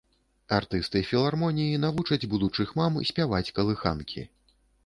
Артысты філармоніі навучаць будучых мам спяваць калыханкі.